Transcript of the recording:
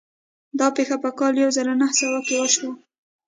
دا پېښه په کال يو زر و نهه سوه کې وشوه.